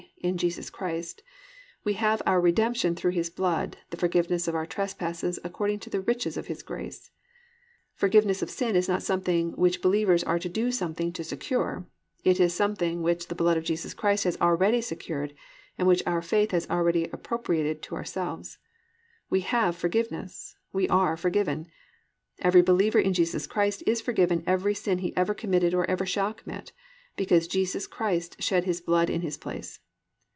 in Jesus Christ) +we have our redemption through His blood, the forgiveness of our trespasses, according to the riches of His grace."+ Because Jesus Christ died as a full satisfaction for our sins, forgiveness of sin is not something which believers are to do something to secure, it is something which the blood of Jesus Christ has already secured and which our faith has already appropriated to ourselves; "we have forgiveness," we are forgiven. Every believer in Jesus Christ is forgiven every sin he ever committed or ever shall commit, because Jesus Christ shed His blood in his place.